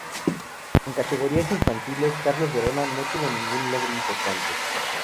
En categorías infantiles Carlos Verona no tuvo ningún logro importante.